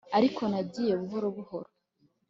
Ariko nagiye buhoro buhoro